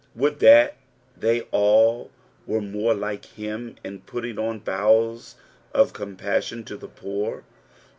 Would that they I all were more like him in putting im bowels of compassion to the poor.